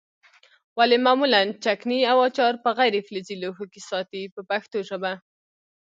ولې معمولا چکني او اچار په غیر فلزي لوښو کې ساتي په پښتو ژبه.